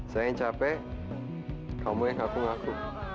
saya yang capek kamu yang ngaku ngaku